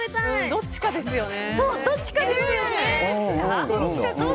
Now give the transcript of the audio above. どっちかですよね。